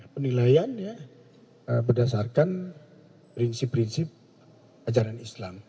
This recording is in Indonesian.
penilaian ya berdasarkan prinsip prinsip ajaran islam